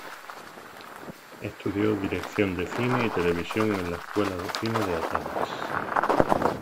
Estudió dirección de cine y televisión en la Escuela de Cine de Atenas.